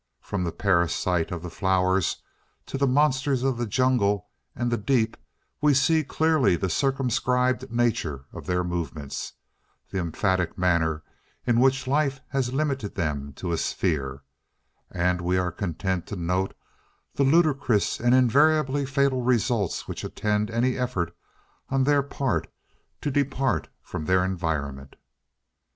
From the parasites of the flowers to the monsters of the jungle and the deep we see clearly the circumscribed nature of their movements—the emphatic manner in which life has limited them to a sphere; and we are content to note the ludicrous and invariably fatal results which attend any effort on their part to depart from their environment.